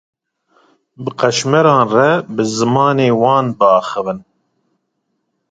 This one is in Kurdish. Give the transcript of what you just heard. Bi qeşmeran re bi zimanê wan biaxivin.